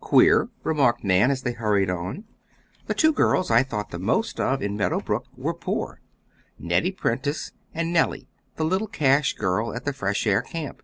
"Queer," remarked Nan, as they hurried on. "The two girls I thought the most of in Meadow Brook were poor: Nettie Prentice, and Nellie the little cash girl at the fresh air camp.